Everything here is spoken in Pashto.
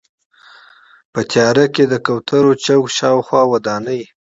په تیاره کې د کوترو چوک شاوخوا ودانۍ.